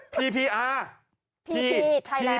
พีพีอาร์พีทีไทยแลนด์